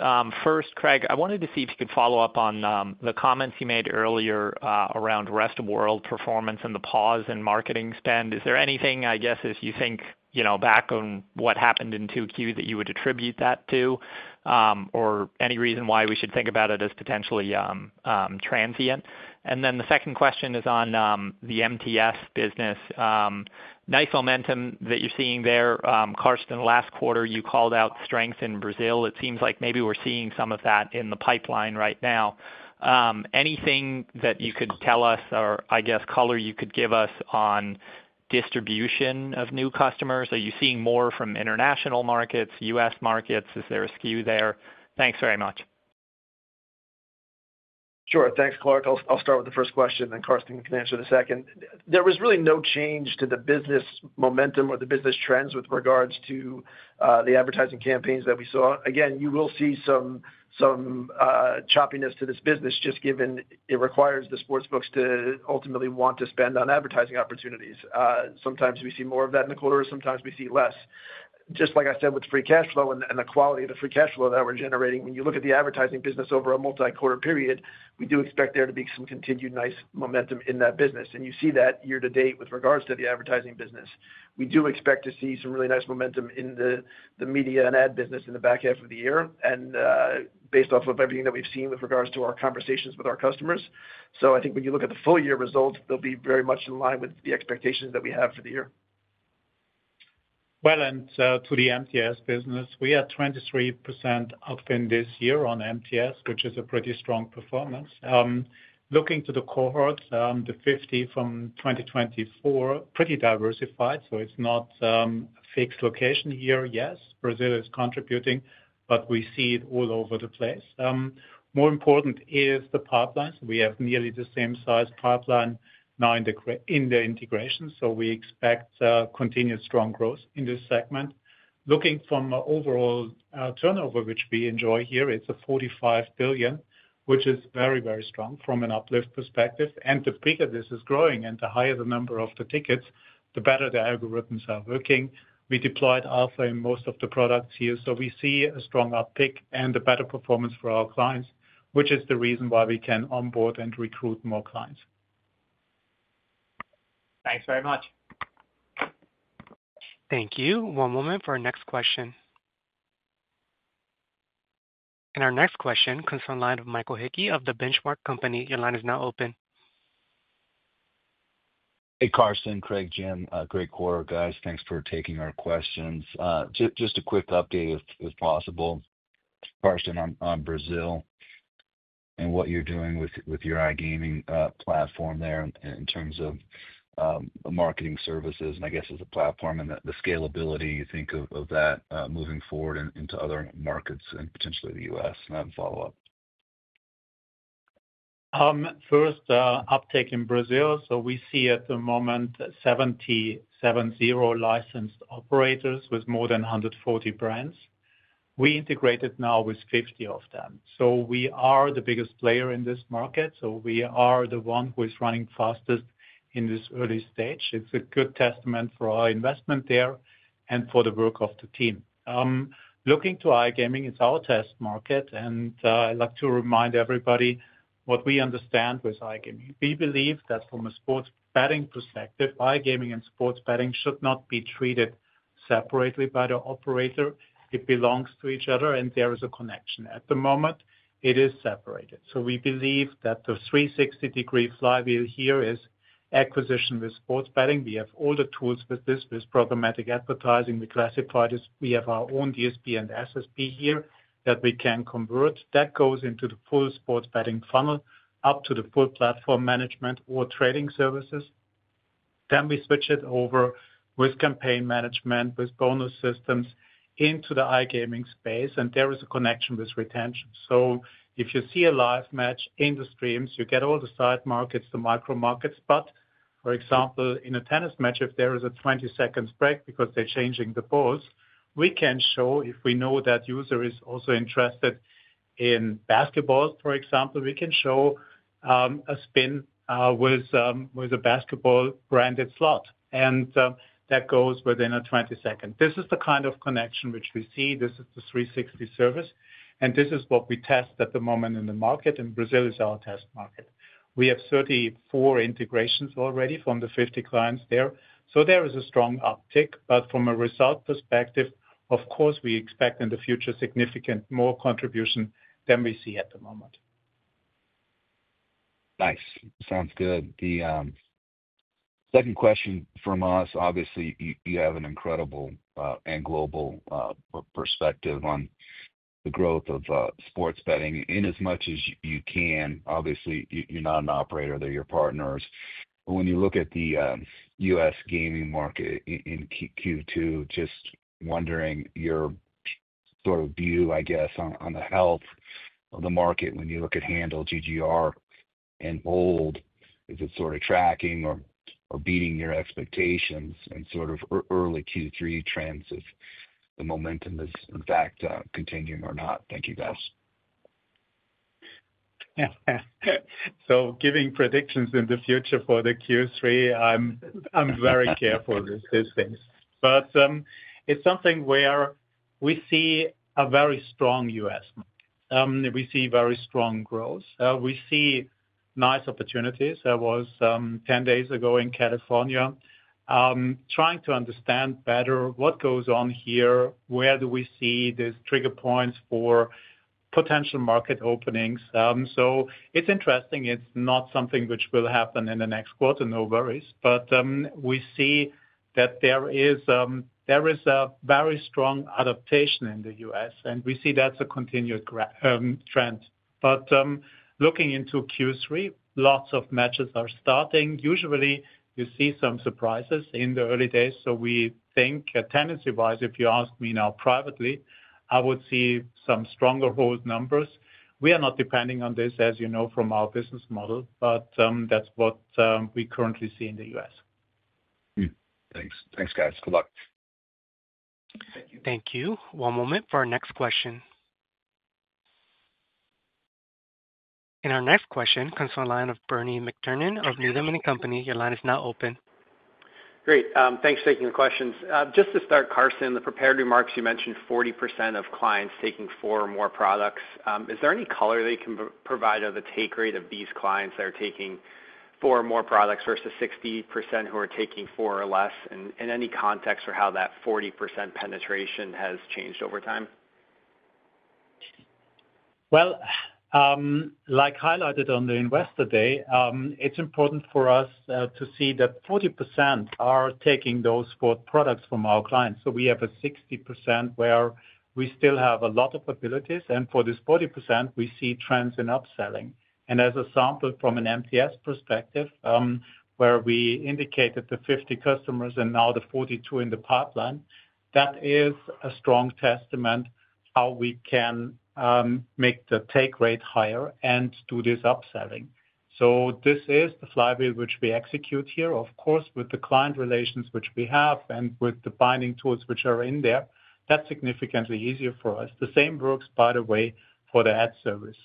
First, Craig, I wanted to see if you could follow up on the comments you made earlier around Rest of World performance and the pause in marketing spend. Is there anything, as you think back on what happened in 2Q, that you would attribute that to, or any reason why we should think about it as potentially transient? The second question is on the MTS business. Nice momentum that you're seeing there. Carsten, last quarter, you called out strength in Brazil. It seems like maybe we're seeing some of that in the pipeline right now. Anything that you could tell us, or color you could give us on distribution of new customers? Are you seeing more from international markets, U.S. markets? Is there a skew there? Thanks very much. Sure. Thanks, Clark. I'll start with the first question, and then Carsten can answer the second. There was really no change to the business momentum or the business trends with regards to the advertising campaigns that we saw. You will see some choppiness to this business, just given it requires the sportsbooks to ultimately want to spend on advertising opportunities. Sometimes we see more of that in the quarter, sometimes we see less. Just like I said with free cash flow and the quality of the free cash flow that we're generating, when you look at the Ads Business over a multi-quarter period, we do expect there to be some continued nice momentum in that business. You see that year to date with regards to the Ads Business. We do expect to see some really nice momentum in the media and ad business in the back half of the year, based off of everything that we've seen with regards to our conversations with our customers. I think when you look at the full year results, they'll be very much in line with the expectations that we have for the year. To the MTS business, we are 23% up in this year on MTS, which is a pretty strong performance. Looking to the cohorts, the 50 from 2024, pretty diversified. It's not a fixed location here. Yes, Brazil is contributing, but we see it all over the place. More important is the pipelines. We have nearly the same size pipeline now in the integration. We expect continued strong growth in this segment. Looking from overall turnover, which we enjoy here, it's $45 billion, which is very, very strong from an uplift perspective. The bigger this is growing and the higher the number of the tickets, the better the algorithms are working. We deployed Alpha in most of the products here. We see a strong uptick and a better performance for our clients, which is the reason why we can onboard and recruit more clients. Thanks very much. Thank you. One moment for our next question. Our next question comes from the line of Michael Hickey of The Benchmark Company. Your line is now open. Hey, Carsten, Craig, Jim, great quarter, guys. Thanks for taking our questions. Just a quick update, if possible. Carsten, on Brazil and what you're doing with your iGaming platform there in terms of marketing services, as a platform and the scalability, you think of that moving forward into other markets and potentially the U.S. I have a follow-up. First, uptake in Brazil. We see at the moment 70 licensed operators with more than 140 brands. We integrated now with 50 of them. We are the biggest player in this market. We are the one who is running fastest in this early stage. It's a good testament for our investment there and for the work of the team. Looking to iGaming, it's our test market. I'd like to remind everybody what we understand with iGaming. We believe that from a sports betting perspective, iGaming and sports betting should not be treated separately by the operator. It belongs to each other, and there is a connection. At the moment, it is separated. We believe that the 360-degree flywheel here is acquisition with sports betting. We have all the tools with this, with programmatic advertising. We classify this. We have our own DSP and SSP here that we can convert. That goes into the full sports betting funnel up to the full platform management or trading services. We switch it over with campaign management, with bonus systems into the iGaming space. There is a connection with retention. If you see a live match in the streams, you get all the side markets, the micro markets. For example, in a tennis match, if there is a 20-second break because they're changing the balls, we can show if we know that user is also interested in basketball, for example, we can show a spin with a basketball-branded slot. That goes within a 20 second. This is the kind of connection which we see. This is the 360 service. This is what we test at the moment in the market. Brazil is our test market. We have 34 integrations already from the 50 clients there. There is a strong uptick. From a result perspective, of course, we expect in the future significant more contribution than we see at the moment. Nice. Sounds good. The second question from us, obviously, you have an incredible and global perspective on the growth of sports betting in as much as you can. Obviously, you're not an operator. They're your partners. When you look at the U.S. gaming market in Q2, just wondering your sort of view, I guess, on the health of the market when you look at handle, GGR, and hold. Is it sort of tracking or beating your expectations? Sort of early Q3 trends if the momentum is, in fact, continuing or not. Thank you, guys. Yeah. Giving predictions in the future for Q3, I'm very careful with these things. It's something where we see a very strong U.S. market. We see very strong growth. We see nice opportunities. I was 10 days ago in California trying to understand better what goes on here. Where do we see these trigger points for potential market openings? It's interesting. It's not something which will happen in the next quarter, no worries. We see that there is a very strong adaptation in the U.S., and we see that's a continued trend. Looking into Q3, lots of matches are starting. Usually, you see some surprises in the early days. We think tendency-wise, if you ask me now privately, I would see some stronger hold numbers. We are not depending on this, as you know, from our business model. That's what we currently see in the U.S. Thanks, thanks, guys. Good luck. Thank you. One moment for our next question. Our next question comes from the line of Bernard McTernan of Needham & Company. Your line is now open. Great. Thanks for taking the questions. Just to start, Carsten, the prepared remarks you mentioned, 40% of clients taking four or more products. Is there any color that you can provide of the take rate of these clients that are taking four or more products versus 60% who are taking four or less, and in any context for how that 40% penetration has changed over time? Like highlighted on the Investor Day, it's important for us to see that 40% are taking those four products from our clients. We have a 60% where we still have a lot of abilities. For this 40%, we see trends in upselling. As a sample from an MTS perspective, where we indicated the 50 customers and now the 42 in the pipeline, that is a strong testament how we can make the take rate higher and do this upselling. This is the flywheel which we execute here. Of course, with the client relations which we have and with the binding tools which are in there, that's significantly easier for us. The same works, by the way, for the ad service.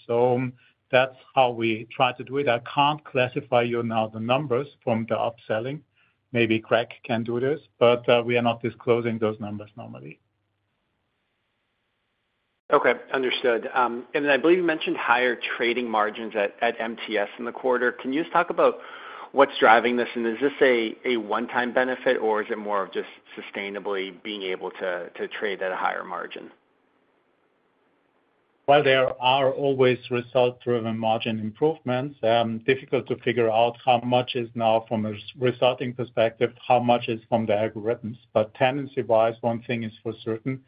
That's how we try to do it. I can't classify you now the numbers from the upselling. Maybe Craig can do this, but we are not disclosing those numbers normally. Okay, understood. I believe you mentioned higher trading margins at MTS in the quarter. Can you just talk about what's driving this? Is this a one-time benefit, or is it more of just sustainably being able to trade at a higher margin? There are always result-driven margin improvements. Difficult to figure out how much is now from a resulting perspective, how much is from the algorithms. Tendency-wise, one thing is for certain,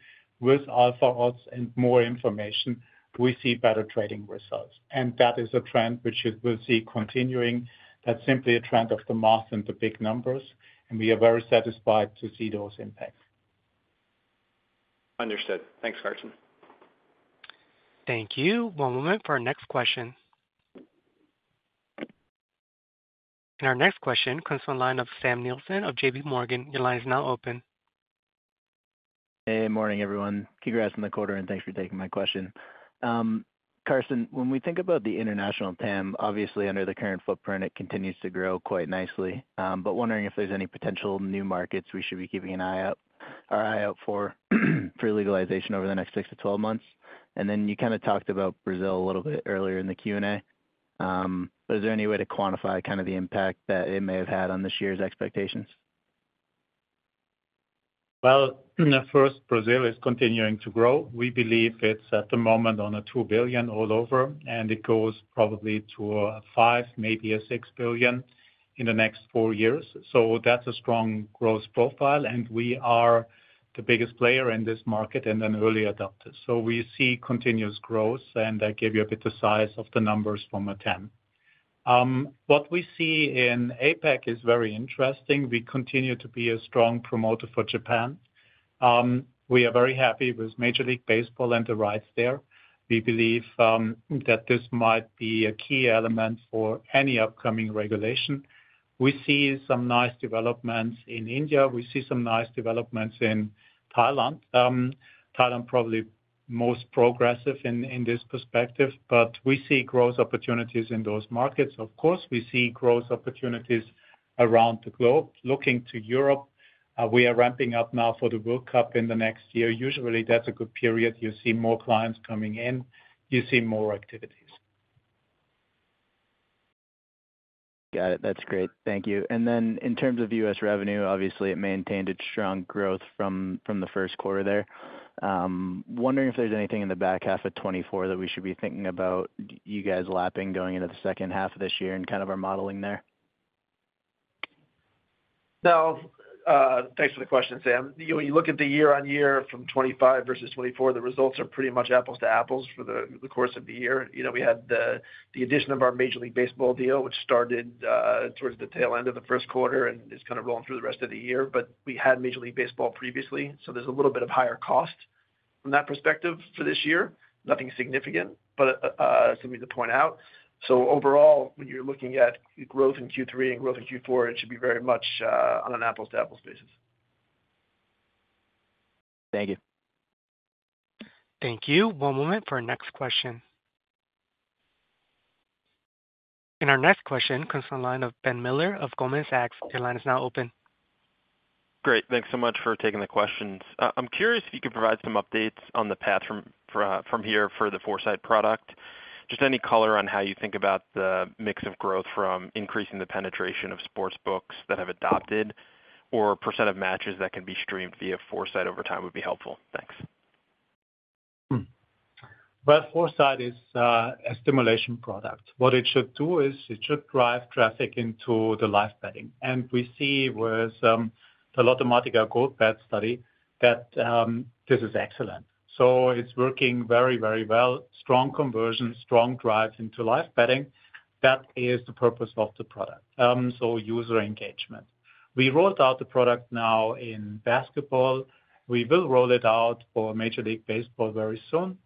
with Alpha Odds and more information, we see better trading results. That is a trend which we'll see continuing. That's simply a trend of the math and the big numbers. We are very satisfied to see those impacts. Understood. Thanks, Carsten. Thank you. One moment for our next question. Our next question comes from the line of Samuel Nielsen of JPMorgan. Your line is now open. Hey, morning, everyone. Congrats on the quarter, and thanks for taking my question. Carsten, when we think about the international PAM, obviously, under the current footprint, it continues to grow quite nicely. Wondering if there's any potential new markets we should be keeping an eye out for pre-legalization over the next 6-12 months. You kind of talked about Brazil a little bit earlier in the Q&A. Is there any way to quantify kind of the impact that it may have had on this year's expectations? Brazil is continuing to grow. We believe it's at the moment on a $2 billion all over, and it goes probably to a $5 billion, maybe a $6 billion in the next four years. That's a strong growth profile, and we are the biggest player in this market and an early adopter. We see continuous growth, and I gave you a bit of the size of the numbers from a 10. What we see in APEC is very interesting. We continue to be a strong promoter for Japan. We are very happy with Major League Baseball and the rights there. We believe that this might be a key element for any upcoming regulation. We see some nice developments in India. We see some nice developments in Thailand. Thailand is probably most progressive in this perspective, but we see growth opportunities in those markets. Of course, we see growth opportunities around the globe. Looking to Europe, we are ramping up now for the World Cup in the next year. Usually, that's a good period. You see more clients coming in. You see more activities. Got it. That's great. Thank you. In terms of U.S. revenue, obviously, it maintained its strong growth from the first quarter there. Wondering if there's anything in the back half of 2024 that we should be thinking about you guys lapping going into the second half of this year and kind of our modeling there. No, thanks for the question, Sam. When you look at the year-on-year from 2025 versus 2024, the results are pretty much apples to apples for the course of the year. We had the addition of our Major League Baseball deal, which started towards the tail end of the first quarter and is kind of rolling through the rest of the year. We had Major League Baseball previously, so there's a little bit of higher cost from that perspective for this year. Nothing significant, but something to point out. Overall, when you're looking at growth in Q3 and growth in Q4, it should be very much on an apples-to-apples basis. Thank you. Thank you. One moment for our next question. Our next question comes from the line of Ben Miller of Goldman Sachs. Your line is now open. Great. Thanks so much for taking the questions. I'm curious if you could provide some updates on the path from here for the 4Sight product. Just any color on how you think about the mix of growth from increasing the penetration of sportsbooks that have adopted or percent of matches that can be streamed via 4Sight over time would be helpful. Thanks. 4Sight is a stimulation product. What it should do is it should drive traffic into the live betting. We see with the Lottomatica Goldbet study that this is excellent. It's working very, very well. Strong conversion, strong drive into live betting. That is the purpose of the product. User engagement. We rolled out the product now in basketball. We will roll it out for Major League Baseball very soon.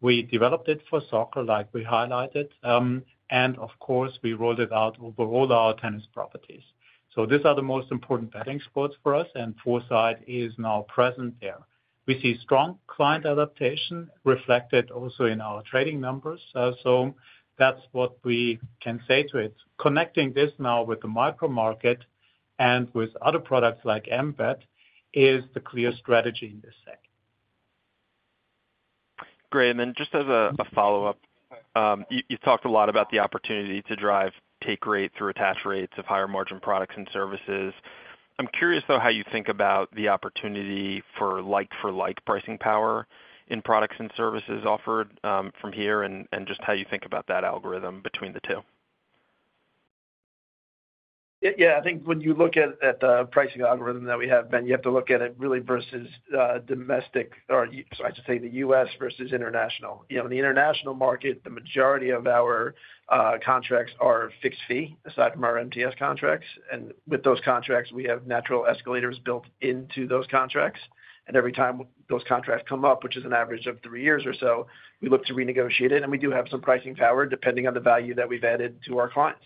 We developed it for soccer, like we highlighted. Of course, we rolled it out over all our tennis properties. These are the most important betting sports for us, and 4Sight is now present there. We see strong client adaptation reflected also in our trading numbers. That's what we can say to it. Connecting this now with the micro markets and with other products like emBET is the clear strategy in this sector. Great. Just as a follow-up, you talked a lot about the opportunity to drive take rate through attached rates of higher margin products and services. I'm curious, though, how you think about the opportunity for like-for-like pricing power in products and services offered from here and just how you think about that algorithm between the two. Yeah, I think when you look at the pricing algorithm that we have, Ben, you have to look at it really versus domestic, or I should say the U.S. versus international. In the international market, the majority of our contracts are fixed fee, aside from our MTS contracts. With those contracts, we have natural escalators built into those contracts. Every time those contracts come up, which is an average of three years or so, we look to renegotiate it. We do have some pricing power depending on the value that we've added to our clients.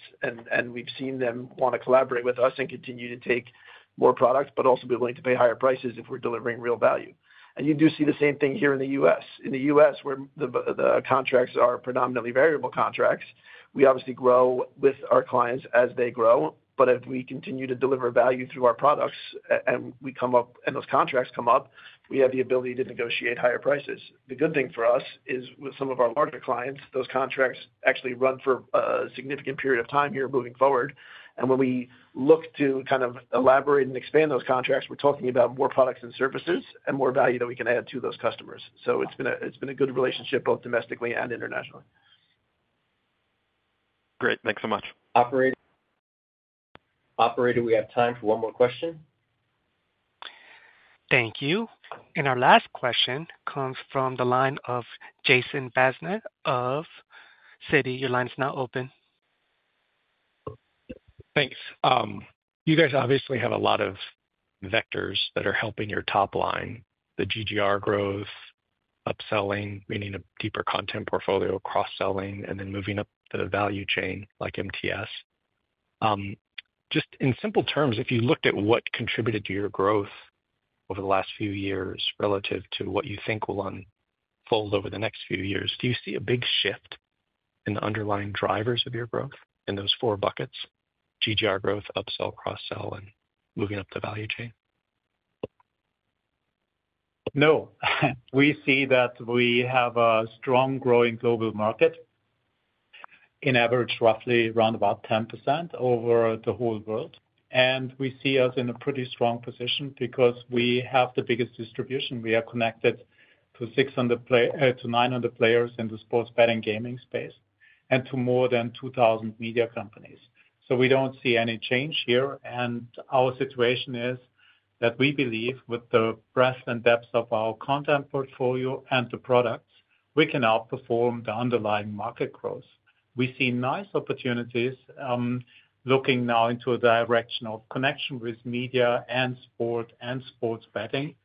We've seen them want to collaborate with us and continue to take more products, but also be willing to pay higher prices if we're delivering real value. You do see the same thing here in the U.S. In the U.S., where the contracts are predominantly variable contracts, we obviously grow with our clients as they grow. If we continue to deliver value through our products and we come up and those contracts come up, we have the ability to negotiate higher prices. The good thing for us is with some of our larger clients, those contracts actually run for a significant period of time here moving forward. When we look to kind of elaborate and expand those contracts, we're talking about more products and services and more value that we can add to those customers. It's been a good relationship both domestically and internationally. Great. Thanks so much. Operator, we have time for one more question. Thank you. Our last question comes from the line of Jason Bazinet of Citi. Your line is now open. Thanks. You guys obviously have a lot of vectors that are helping your top line, the GGR growth, upselling, meaning a deeper content portfolio, cross-selling, and then moving up the value chain like MTS. Just in simple terms, if you looked at what contributed to your growth over the last few years relative to what you think will unfold over the next few years, do you see a big shift in the underlying drivers of your growth in those four buckets, GGR growth, upsell, cross-sell, and moving up the value chain? No. We see that we have a strong growing global market. It averages roughly around about 10% over the whole world. We see us in a pretty strong position because we have the biggest distribution. We are connected to 600-900 players in the sports betting gaming space and to more than 2,000 media companies. We don't see any change here. Our situation is that we believe with the breadth and depth of our content portfolio and the products, we can outperform the underlying market growth. We see nice opportunities looking now into a direction of connection with media and sport and sports betting.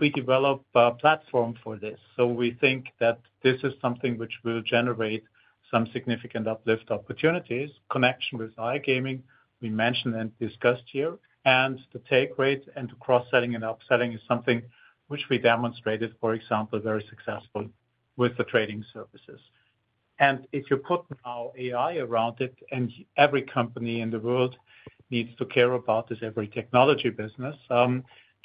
We develop a platform for this. We think that this is something which will generate some significant uplift opportunities, connection with iGaming we mentioned and discussed here. The take rates and the cross-selling and upselling is something which we demonstrated, for example, very successfully with the trading services. If you put our AI around it and every company in the world needs to care about this, every technology business,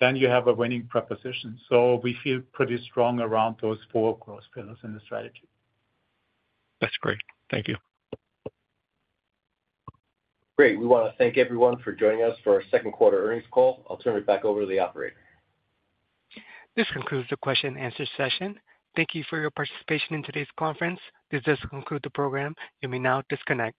you have a winning proposition. We feel pretty strong around those four growth pillars in the strategy. That's great. Thank you. Great. We want to thank everyone for joining us for our Second Quarter Earnings Call. I'll turn it back over to the operator. This concludes the question and answer session. Thank you for your participation in today's conference. This does conclude the program. You may now disconnect.